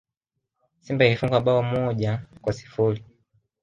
Simba ilifungwa bao moja kwa sifuri